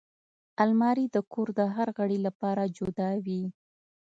الماري د کور د هر غړي لپاره جدا وي